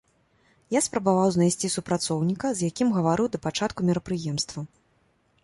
Я спрабаваў знайсці супрацоўніка, з якім гаварыў да пачатку мерапрыемства.